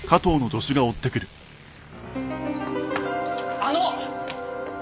あの！